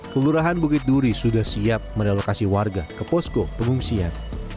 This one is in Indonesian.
kelurahan bukit duri sudah siap merelokasi warga ke posko pengungsian